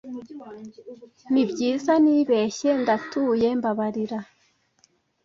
nibyiza nibeshye ndatuye mbabarira